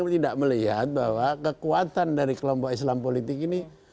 saya tidak melihat bahwa kekuatan dari kelompok islam politik ini